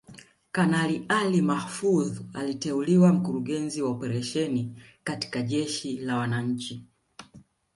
Kanali Ali Mahfoudh aliteuliwa Mkurugenzi wa Operesheni katika Jeshi la Wananchi